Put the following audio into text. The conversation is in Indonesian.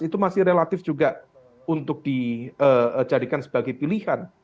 itu masih relatif juga untuk dijadikan sebagai pilihan